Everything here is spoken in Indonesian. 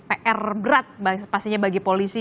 pr berat pastinya bagi polisi